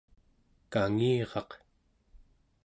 kangiraq